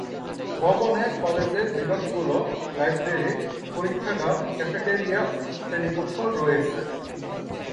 ভবনে কলেজের বিভাগগুলো, লাইব্রেরি, পরীক্ষাগার, ক্যাফেটেরিয়া, শ্রেণীকক্ষ রয়েছে।